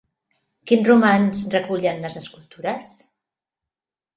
Quin romanç recullen les escultures?